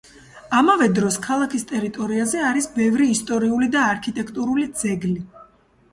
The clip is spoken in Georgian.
ამავე დროს ქალაქის ტერიტორიაზე არის ბევრი ისტორიული და არქიტექტურული ძეგლი.